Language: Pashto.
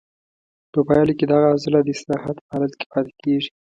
په پایله کې دغه عضله د استراحت په حالت کې پاتې کېږي.